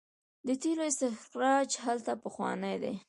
د تیلو استخراج هلته پخوانی دی.